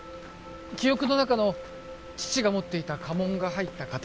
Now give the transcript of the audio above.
記憶の中の父が持っていた家紋が入った刀は